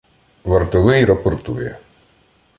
Вартовий рапортує: